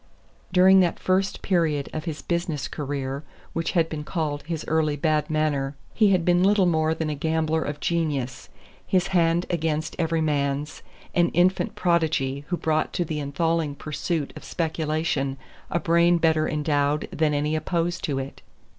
During that first period of his business career which had been called his early bad manner he had been little more than a gambler of genius, his hand against every man's, an infant prodigy who brought to the enthralling pursuit of speculation a brain better endowed than any opposed to it.